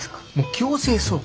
強制送還。